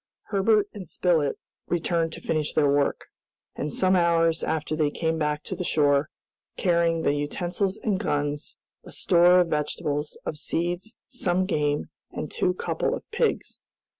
Herbert and Spilett returned to finish their work; and some hours after they came back to the shore, carrying the utensils and guns, a store of vegetables, of seeds, some game, and two couple of pigs.